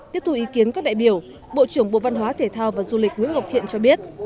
tiếp tục ý kiến các đại biểu bộ trưởng bộ văn hóa thể thao và du lịch nguyễn ngọc thiện cho biết